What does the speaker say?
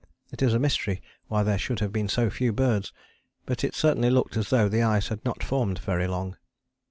It is a mystery why there should have been so few birds, but it certainly looked as though the ice had not formed very long.